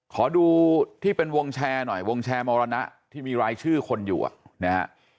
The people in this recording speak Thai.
ขอดูที่เป็นวงแชร์หน่อยวงแชร์มรณะที่มีรายชื่อคนอยู่นะฮะ